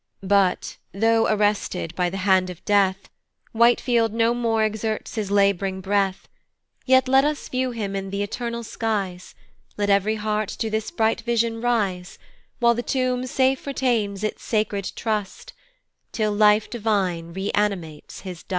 But, though arrested by the hand of death, Whitefield no more exerts his lab'ring breath, Yet let us view him in th' eternal skies, Let ev'ry heart to this bright vision rise; While the tomb safe retains its sacred trust, Till life divine re animates his dust.